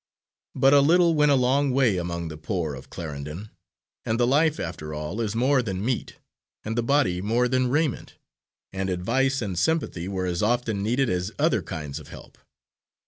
But a little went a long way among the poor of Clarendon, and the life after all is more than meat, and the body more than raiment, and advice and sympathy were as often needed as other kinds of help.